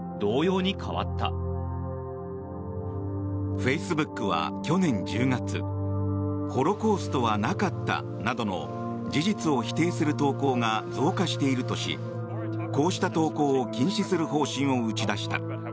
フェイスブックは去年１０月ホロコーストはなかったなどの事実を否定する投稿が増加しているとしこうした投稿を禁止する方針を打ち出した。